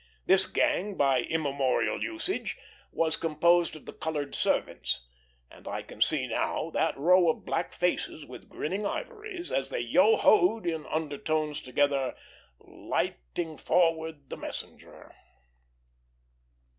This gang, by immemorial usage, was composed of the colored servants, and I can see now that row of black faces, with grinning ivories, as they yo ho'd in undertones together, "lighting forward the messenger."